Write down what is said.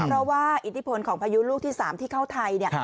เพราะว่าอิทธิพลของพายุลูกที่๓ที่เข้าไทยเนี่ย